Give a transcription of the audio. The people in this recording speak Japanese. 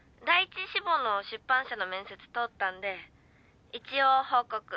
第１志望の出版社の面接通ったんで一応報告。